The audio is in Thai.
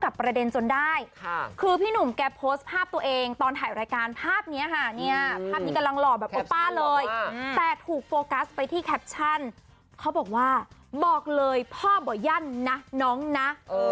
แบบบอกป้าเลยแต่ถูกโฟกัสไปที่แคปชั่นเขาบอกว่าบอกเลยพ่อบ่ยั่้นน่ะน้องน่ะ